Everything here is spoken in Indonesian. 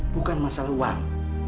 bukan masalah uang